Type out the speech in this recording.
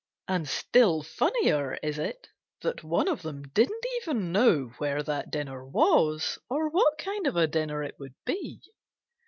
And still funnier is it that one of them didn't even know where that dinner was or what kind of a dinner it would be.